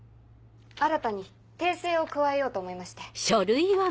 新たに訂正を加えようと思いまして。